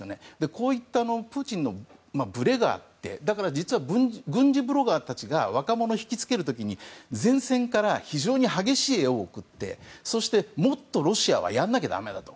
こういったプーチンのぶれがあってだから、軍事ブロガーたちが若者を引き付ける時に前線から非常に激しい画を送ってそして、もっとロシアはやらなきゃだめだと。